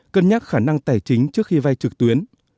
cân nhắc khả năng tài chính trước khi vay trực tuyến